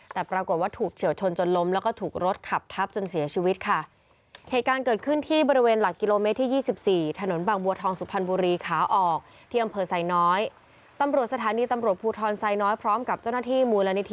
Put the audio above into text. แต่ปรากฏว่าถูกเฉลิตชนจนล้ม